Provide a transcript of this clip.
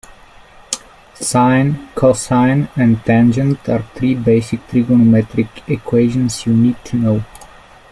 Sine, cosine and tangent are three basic trigonometric equations you'll need to know.